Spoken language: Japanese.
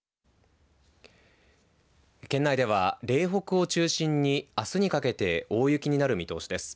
県内では嶺北を中心に、あすにかけて大雪になる見通しです。